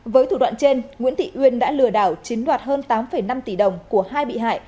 với thủ đoạn trên nguyễn thị uyên đã lừa đảo chiếm đoạt hơn tám năm tỷ đồng của hai bị hại